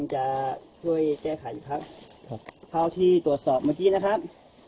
จะช่วยแก้ไขครับเท่าที่ตรวจสอบเมื่อกี้นะครับ